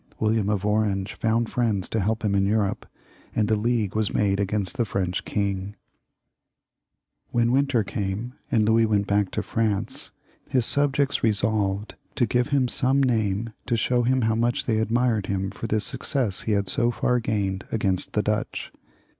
WiUiam of Orange found friends to help him in Europe, and a league was made against the French When winter came and Louis went back to France, his subjects resolved to give him some name to show hJTn how much they admired him for the success he had so far gained against the Dutch.